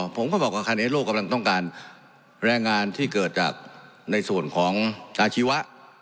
ผมก็บอกว่าขณะนี้โลกกำลังต้องการแรงงานที่เกิดจากในส่วนของอาชีวะ